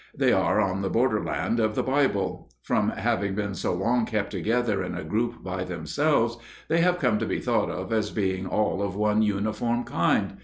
They are on the borderland of the Bible. From having been so long kept together in a group by themselves, they have come to be thought of as being all of one uniform kind.